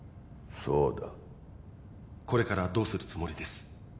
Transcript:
そうだこれからどうするつもりです？